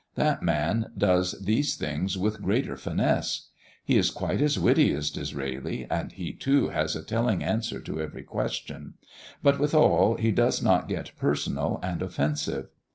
That man does these things with greater finesse. He is quite as witty as Disraeli, and he, too, has a telling answer to every question; but, withal, he does not get personal and offensive.